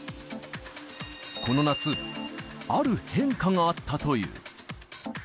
この夏、ある変化があったという。